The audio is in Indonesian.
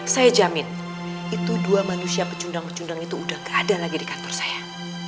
saya jamin itu dua manusia pecundang pecundang itu udah gak ada lagi di kantor saya